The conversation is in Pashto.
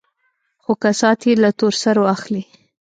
خو كسات يې له تور سرو اخلي.